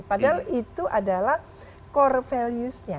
padahal itu adalah core valuesnya